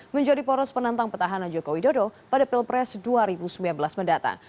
menjadi poros penantang petahanan joko widodo pada pilpres dua ribu sembilan belas mendatang